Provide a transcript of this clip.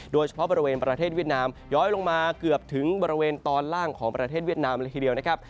โดยเฉพาะบริเวณประเทศเวียดนามย้อยลงมาเกือบถึงบริเวณตอนล่างของประเทศเวียดนามเลยทีเดียวนะครับ